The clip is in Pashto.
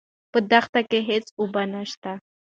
په دښته کې هېڅ اوبه نشته.